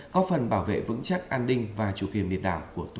góp phần bảo vệ vững chắc an ninh và chủ nghĩa